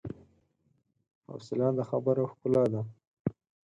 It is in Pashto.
حوصله د خبرو ښکلا ده.